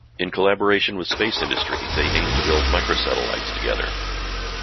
In collaboration with space industry they aim to build microsatellites together.